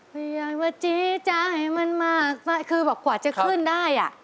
ไม่อยากมาจี้ใจมันมากคือแบบกว่าจะขึ้นได้